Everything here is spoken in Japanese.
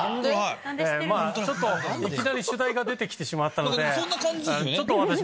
ちょっといきなり主題が出て来てしまったので。